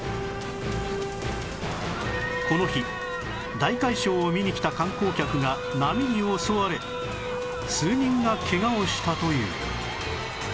この日大海嘯を見に来た観光客が波に襲われ数人がケガをしたという